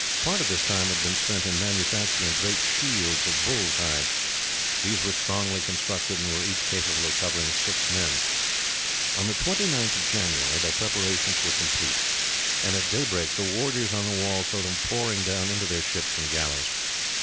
Part of this time had been spent in manufacturing great shields of bull's hide. These were strongly constructed, and were each capable of covering six men. On the 29th of January their preparations were complete, and at daybreak the warders on the wall saw them pouring down into their ships and galleys.